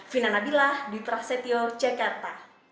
fina nabilah diprasetyo cekarta